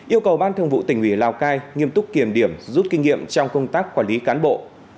yêu cầu ban thường vụ tỉnh ủy lào cai nghiêm túc kiểm điểm rút kinh nghiệm trong công tác quản lý cán bộ